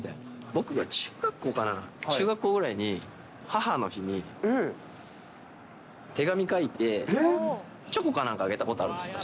僕が中学校かな、中学校ぐらいに、母の日に手紙書いて、チョコかなんかあげたことあるんですよ。